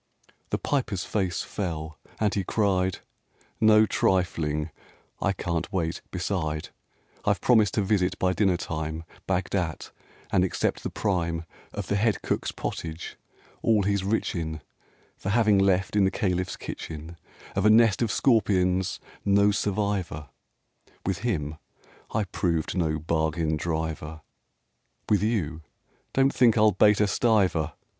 X The Piper's face fell, and he cried, "No trifling! I can't wait! beside, I've promised to visit by dinner time Bagdat, and accept the prime Of the Head Cook's pottage, all he's rich in, For having left, in the Caliph's kitchen, Of a nest of scorpions no survivor; With him I proved no bargain driver; With you, don't think I'll bate a stiver!